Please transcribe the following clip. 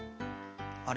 あれ？